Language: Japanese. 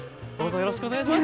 よろしくお願いします。